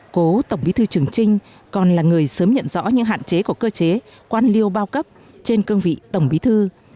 cố tổng bí thư trường trinh còn là người sớm nhận rõ những hạn chế của cơ chế quan liêu bao cấp trên cương vị tổng bí thư